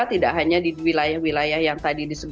tidak hanya di wilayah wilayah yang tadi disebutkan